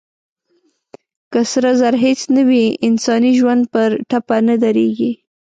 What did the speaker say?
که سره زر هېڅ نه وي، انساني ژوند پر ټپه نه درېږي.